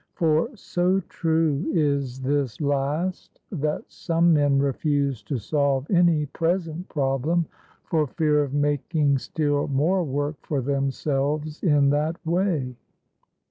For so true is this last, that some men refuse to solve any present problem, for fear of making still more work for themselves in that way.